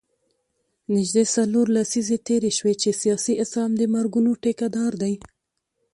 نژدې څلور لسیزې تېرې شوې چې سیاسي اسلام د مرګونو ټیکه دار دی.